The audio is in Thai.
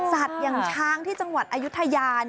อย่างช้างที่จังหวัดอายุทยา